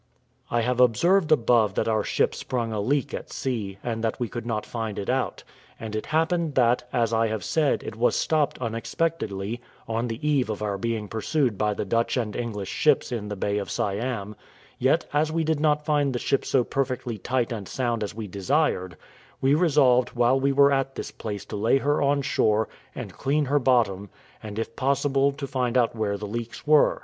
I have observed above that our ship sprung a leak at sea, and that we could not find it out; and it happened that, as I have said, it was stopped unexpectedly, on the eve of our being pursued by the Dutch and English ships in the bay of Siam; yet, as we did not find the ship so perfectly tight and sound as we desired, we resolved while we were at this place to lay her on shore, and clean her bottom, and, if possible, to find out where the leaks were.